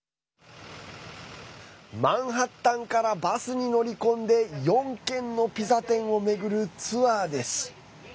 マンハッタンからバスに乗り込んで４軒のピザ店を巡るツアーです。